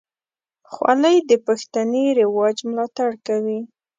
خولۍ د پښتني رواج ملاتړ کوي.